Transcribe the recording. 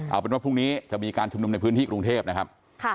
เอาเป็นว่าพรุ่งนี้จะมีการชุมนุมในพื้นที่กรุงเทพนะครับ